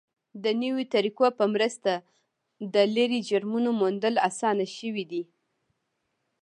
د نویو طریقو په مرسته د لرې جرمونو موندل اسانه شوي دي.